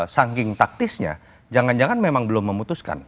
saking taktisnya jangan jangan memang belum memutuskan